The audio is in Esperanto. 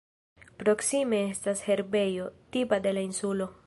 Proksime estas herbejo, tipa de la insulo.